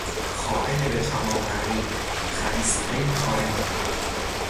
خائن به تمام معنی، خبیثترین خائن